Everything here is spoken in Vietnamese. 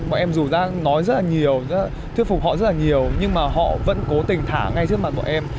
bọn em dù đã nói rất là nhiều thuyết phục họ rất là nhiều nhưng mà họ vẫn cố tình thả ngay trước mặt bọn em